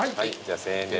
１，０００円で。